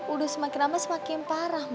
udah semakin lama semakin parah